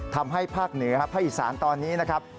ทำให้ภาคเหนือภาคอีสานตอนนี้นะครับ